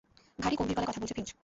ভারি গম্ভীর গলায় কথা বলছে ফিরোজ।